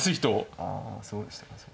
あそうでしたか。